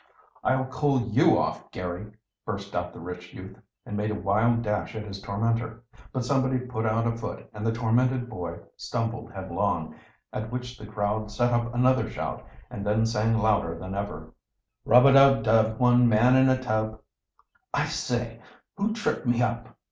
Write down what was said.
"I'll cool you off, Garry!" burst out the rich youth, and made a wild dash at his tormentor. But somebody put out a foot and the tormented boy stumbled headlong, at which the crowd set up another shout, and then sang louder than ever, "Rub a dub dub! One man in a tub!" "I say, who tripped me up!"